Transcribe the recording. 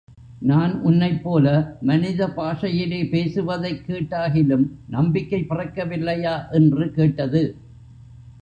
நான் உன்னைப் போல மனித பாஷையிலே பேசுவதைக் கேட்டாகிலும் நம்பிக்கை பிறக்கவில்லையா? என்று கேட்டது.